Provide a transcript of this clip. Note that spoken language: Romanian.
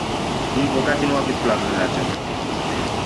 Din păcate, nu aveți planuri în această privință.